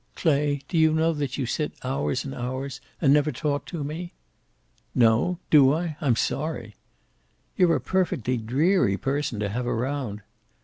Clay, do you know that you sit hours and hours, and never talk to me?" "No! Do I? I'm sorry." "You're a perfectly dreary person to have around."